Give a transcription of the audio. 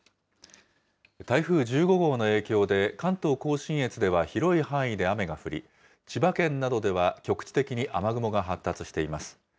台風１５号の影響で、関東甲信越では広い範囲で雨が降り、千葉県などでは局地的に雨雲が発達しています。